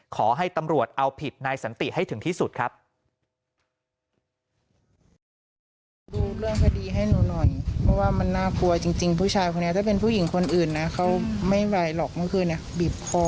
ขอให้ตำรวจเอาผิดนายสันติให้ถึงที่สุดครับ